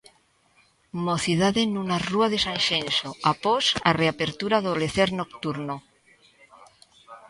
Mocidade nunha rúa de Sanxenxo após a reapertura do lecer nocturno.